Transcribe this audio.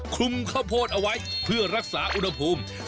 คลุมข้าวโพดเอาไว้เพื่อรักษาอุณหภูมิ